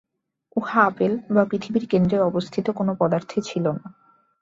উহা আপেল বা পৃথিবীর কেন্দ্রে অবস্থিত কোন পদার্থে ছিল না।